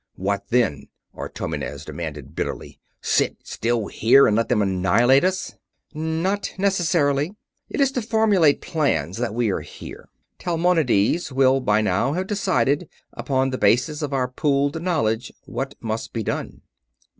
"What, then?" Artomenes demanded, bitterly. "Sit still here and let them annihilate us?" "Not necessarily. It is to formulate plans that we are here. Talmonides will by now have decided, upon the basis of our pooled knowledge, what must be done."